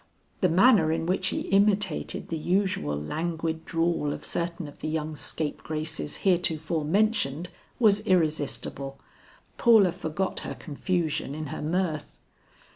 '" The manner in which he imitated the usual languid drawl of certain of the young scapegraces heretofore mentioned, was irresistible. Paula forgot her confusion in her mirth.